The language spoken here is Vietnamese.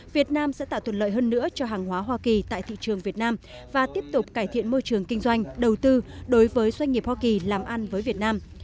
việt nam sẽ tạo thuận lợi hơn nữa cho hàng hóa hoa kỳ tại thị trường việt nam và tiếp tục cải thiện môi trường kinh doanh đầu tư đối với doanh nghiệp hoa kỳ làm ăn với việt nam